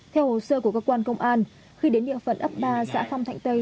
theo hồ sơ của cơ quan công an khi đến địa phận ấp ba xã phong thạnh tây